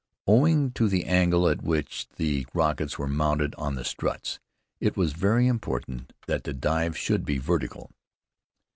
Owing to the angle at which the rockets were mounted on the struts, it was very important that the dive should be vertical.